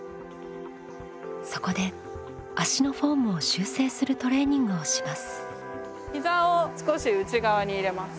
そこで足のフォームを修正するトレーニングをします。